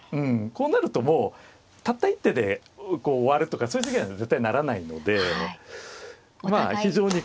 こうなるともうたった一手で終わるとかそういう将棋には絶対ならないので非常に